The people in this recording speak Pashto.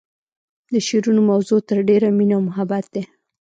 د شعرونو موضوع تر ډیره مینه او محبت دی